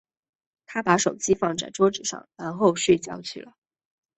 她把手机放在桌子上，然后睡觉去了。